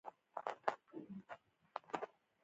د ګناه د مینځلو لپاره باید څه شی وکاروم؟